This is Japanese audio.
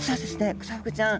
クサフグちゃん